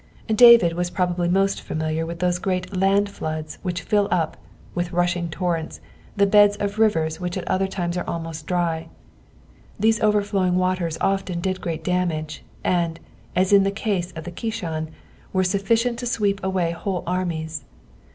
David was probably most familiar with those great land floods which fill up, with rutjhiag torrents, the beds of rivers which at other times are almost di7 : these overflowing waters often did great damage, and, aa in the case of tlie Kishon, were sufficient to sweep away whole armies.